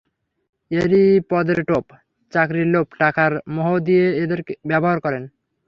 এঁরাই পদের টোপ, চাকরির লোভ, টাকার মোহ দিয়ে এদের ব্যবহার করেন।